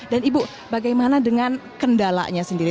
dan ibu bagaimana dengan kendalanya sendiri